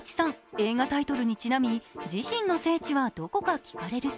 映画タイトルにちなみ自身の聖地は、どこか聞かれると